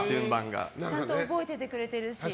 ちゃんと覚えててくれてるし。